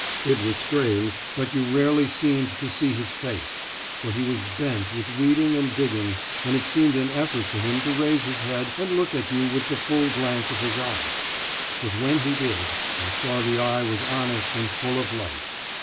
It was strange, but you rarely seemed to see his face; for he was bent with weeding and digging, and it seemed an effort for him to raise his head and look at you with the full glance of his eye. But when he did, you saw the eye was honest and full of light.